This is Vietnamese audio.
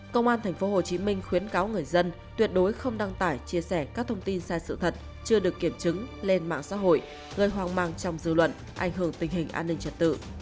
công an tp hcm khuyến cáo người dân tuyệt đối không đăng tải chia sẻ các thông tin sai sự thật chưa được kiểm chứng lên mạng xã hội gây hoang mang trong dư luận ảnh hưởng tình hình an ninh trật tự